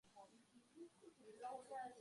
我是猪鼻吧